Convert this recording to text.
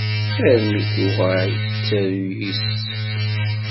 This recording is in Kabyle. Armi tuɣal tettaru yis-s.